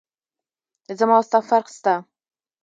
زما او ستا فرق سته.